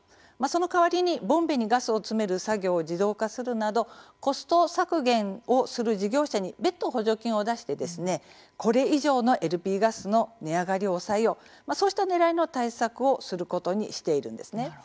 その代わりにボンベにガスを詰める作業を自動化するなどコスト削減をする事業者に別途、補助金を出してこれ以上のＬＰガスの値上がりを抑えよう、そうしたねらいの対策をすることにしているんです。